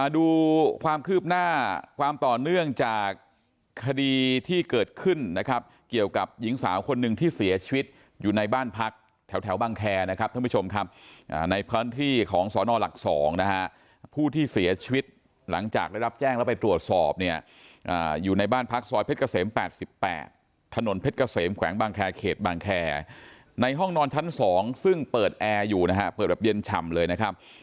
ดูความคืบหน้าความต่อเนื่องจากคดีที่เกิดขึ้นนะครับเกี่ยวกับหญิงสาวคนหนึ่งที่เสียชีวิตอยู่ในบ้านพักแถวบางแคร์นะครับท่านผู้ชมครับในพื้นที่ของสนหลัก๒นะฮะผู้ที่เสียชีวิตหลังจากได้รับแจ้งแล้วไปตรวจสอบเนี่ยอยู่ในบ้านพักซอยเพชรเกษม๘๘ถนนเพชรเกษมแขวงบางแคร์เขตบางแคร์ในห้องนอนชั้น๒ซึ่งเปิดแอร์อยู่นะฮะเปิดแบบเย็นฉ่ำเลยนะครับ